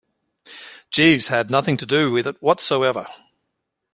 Jeeves had nothing to do with it whatsoever.